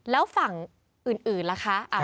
แล้วฝั่งอื่นราคา